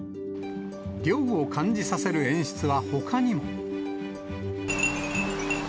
涼を感じさせる演出はほかにも。